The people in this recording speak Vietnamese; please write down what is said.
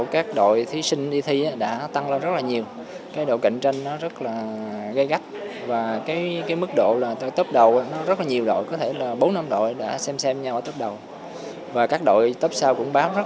các đội thi cũng đang dạy nghề trong cả nước